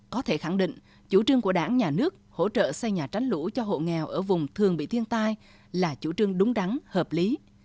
có thể khẳng định chủ trương của đảng nhà nước hỗ trợ xây nhà tránh lũ cho hộ nghèo ở vùng thường bị thiên tai là chủ trương đúng đắn hợp lý